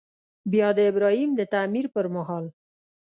بیا د ابراهیم د تعمیر پر مهال.